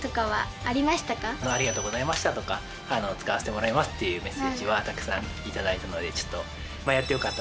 ありがとうございましたとか使わせてもらいますっていうメッセージはたくさん頂いたので。